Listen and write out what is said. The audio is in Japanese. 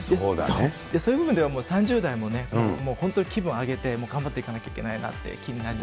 そういう部分ではもう３０代もね、本当に気分を上げて、頑張っていかなきゃいけないなって気になります。